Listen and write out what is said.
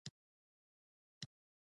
ماشوم مو حرکت کوي؟